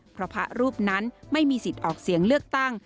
เพราะพระรูปนั้นไม่มีสิทธิ์ออกเสียงเลือกตั้ง